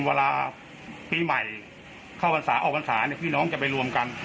เวลาปีใหม่เข้ากันศาออกกันศาพี่น้องจะไปรวมกัน